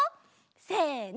せの！